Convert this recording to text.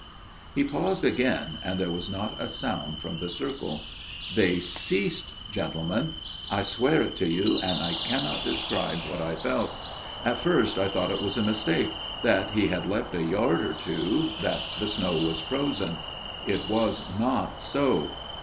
He paused again, and there was not a sound from the circle. " They ceased, gentlemen. I swear it to you, and I cannot describe what I felt. At first I thought it was a mistake ; that he had leapt a yard or two that the snow was frozen. It was not so.